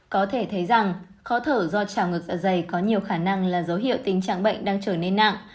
có thể thấy rằng khó thở do trào ngược dạ dày có nhiều khả năng là dấu hiệu tình trạng bệnh đang trở nên nặng